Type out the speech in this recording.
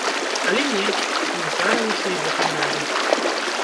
Але не, не здарылася і гэтым разам.